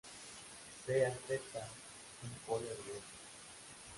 Sea "z" un polo de "f".